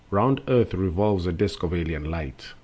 Round earth revolves a disk of alien light.